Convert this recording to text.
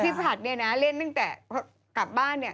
พี่ผัดนี่นะเล่นตั้งแต่กลับบ้าน